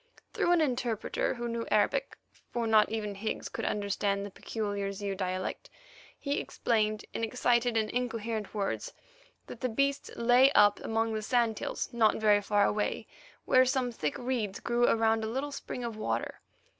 Through an interpreter who knew Arabic, for not even Higgs could understand the peculiar Zeu dialect, he explained in excited and incoherent words that the beasts lay up among the sand hills not very far away, where some thick reeds grew around a little spring of water.